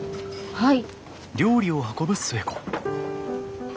はい。